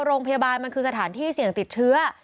โรงพยาบาลมันคือสถานที่เสี่ยงติดเชื้อ